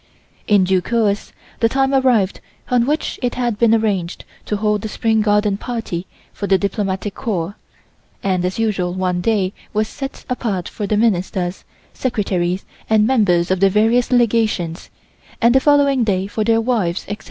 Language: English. In due course the time arrived on which it had been arranged to hold the Spring Garden Party for the Diplomatic Corps, and as usual one day was set apart for the Ministers, Secretaries and members of the various Legations, and the following day for their wives, etc.